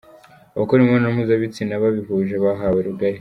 Abakora imibonano mpuzabitsina babihuje bahawe rugari